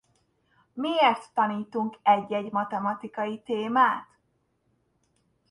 Miért tanítunk egy-egy matematikai témát?